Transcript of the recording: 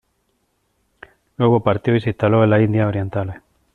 Luego partió y se instaló en las Indias orientales.